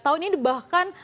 tahun ini bahkan